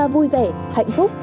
vui vẻ hạnh phúc